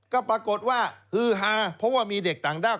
ก็ปรากฏว่าฮือฮาเพราะว่ามีเด็กต่างด้าว